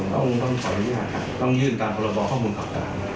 ต้องขออนุญาตต้องยื่นตามประบอบข้อมูลของการ